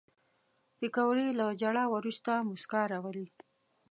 پکورې له ژړا وروسته موسکا راولي